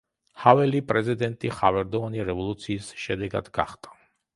ჰაველი პრეზიდენტი „ხავერდოვანი რევოლუციის“ შედეგად გახდა.